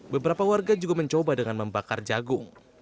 beberapa warga juga mencoba dengan membakar jagung